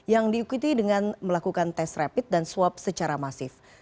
yang diikuti dengan melakukan tes rapid dan swab secara masif